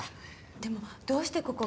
でもどうしてここが？